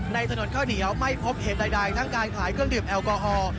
ถนนข้าวเหนียวไม่พบเหตุใดทั้งการขายเครื่องดื่มแอลกอฮอล์